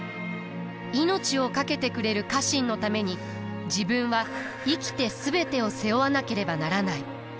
命を懸けてくれる家臣のために自分は生きて全てを背負わなければならない。